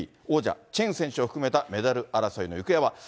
王者、チェン選手を含めたメダル争いの行方は。